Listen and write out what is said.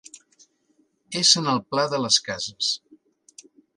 És en el Pla de les Cases.